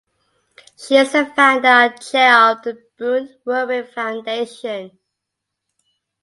She is the founder and chair of the Boon Wurrung Foundation.